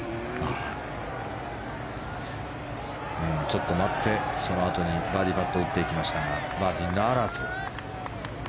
ちょっと待ってそのあとにバーディーパットを打っていきましたがバーディーならず。